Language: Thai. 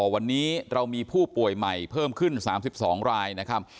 วันนี้เรามีผู้ป่วยใหม่เพิ่มขึ้น๓๒รายนะครับ